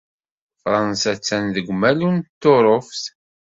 Fransa attan deg umalu n Tuṛuft.